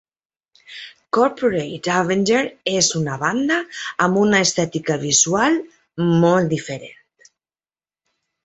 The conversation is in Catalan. Corporate Avenger és una banda amb una estètica visual molt diferent.